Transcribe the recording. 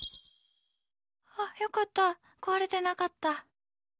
よかった、壊れてなかった。